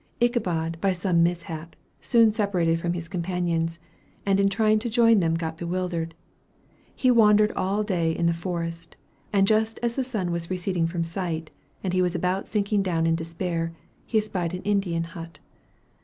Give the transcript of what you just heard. Ichabod, by some mishap, soon separated from his companions, and in trying to join them got bewildered. He wandered all day in the forest, and just as the sun was receding from sight, and he was about sinking down in despair, he espied an Indian hut.